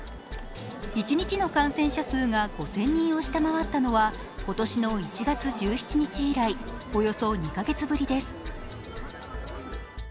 一日の感染者数が５０００人を下回ったのは今年の１月１７日以来およそ２カ月ぶりです。